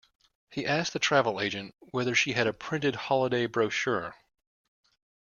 He asked the travel agent whether she had a printed holiday brochure